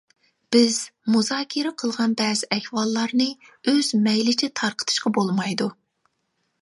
بىز مۇزاكىرە قىلغان بەزى ئەھۋاللارنى ئۆز مەيلىچە تارقىتىشقا بولمايدۇ.